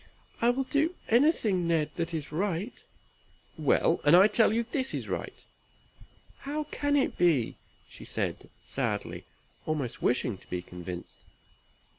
"I will do anything, Ned, that is right." "Well! and I tell you this is right." "How can it be?" said she, sadly, almost wishing to be convinced.